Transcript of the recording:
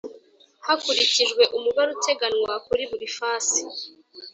Hakurikijwe umubare uteganywa kuri buri fasi